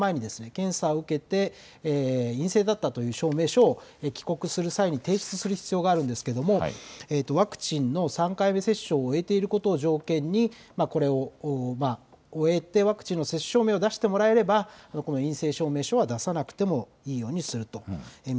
検査を受けて陰性だったという証明書を帰国する際に提出する必要があったんですけれどもワクチンの３回目接種を終えていることを条件にこれを終えてワクチンの接種証明書を出してくれれば陰性証明は出さなくていいようにすると。